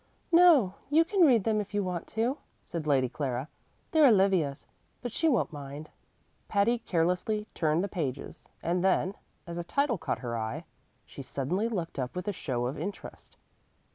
"No; you can read them if you want to," said Lady Clara. "They're Olivia's, but she won't mind." Patty carelessly turned the pages, and then, as a title caught her eye, she suddenly looked up with a show of interest.